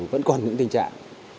vẫn còn những tình trạng